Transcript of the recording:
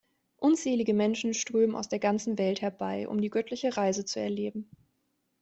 Unzählige Menschen strömen aus der ganzen Welt herbei, um die göttliche Reise zu erleben.